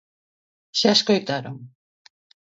Xa escoitaron.